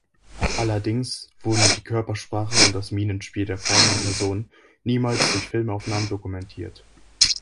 Allerdings wurden „die Körpersprache und das Mienenspiel der fragenden Person niemals durch Filmaufnahmen dokumentiert.